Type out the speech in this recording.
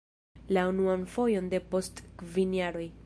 La unuan fojon depost kvin jaroj!